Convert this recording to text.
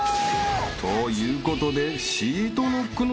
［ということで］